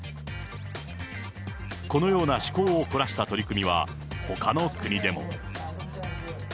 このような趣向を凝らした取り組みはほかの国でも。